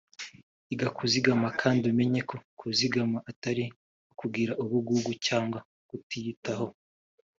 Iga kuzigama kandi umenye ko kuzigama atari ukugira ubugugu cyangwa kutiyitaho